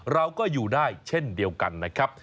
เราก็อยู่ได้เช่นเดียวกันนะครับ